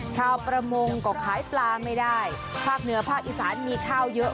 ชาวประมงก็ขายปลาไม่ได้ภาคเหนือภาคอีสานมีข้าวเยอะ